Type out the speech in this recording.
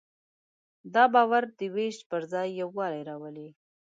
دا باور د وېش پر ځای یووالی راولي.